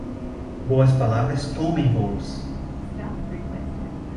Boas palavras comem bolos.